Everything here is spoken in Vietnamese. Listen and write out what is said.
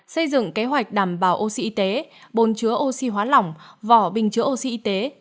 xây dựng kế hoạch đảm bảo oxy y tế bồn chứa oxy hóa lỏng vỏ bình chữa oxy y tế